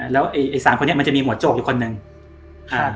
แล้วไอ้ไอ้สามคนนี้มันจะมีหัวโจกอีกคนนึงค่ะ